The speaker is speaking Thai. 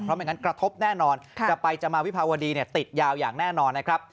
ไม่งั้นกระทบแน่นอนจะไปจะมาวิภาวดีติดยาวอย่างแน่นอนนะครับ